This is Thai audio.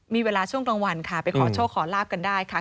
มีเวลาช่วงกลางวันค่ะไปขอโชคขอลาบกันได้ค่ะ